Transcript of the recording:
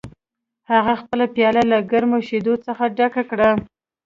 هغه خپله پیاله له ګرمو شیدو څخه ډکه کړه